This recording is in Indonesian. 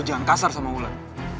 lo jangan kasar sama gue lan